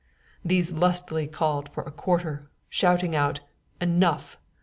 These lustily called for quarter, shouting out 'Enough!'